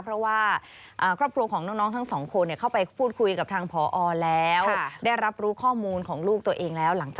เพราะว่าครอบครัวของน้องทั้งสองคน